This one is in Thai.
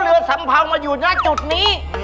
โลรสมพาวมะอยู่หน้าจุดนี้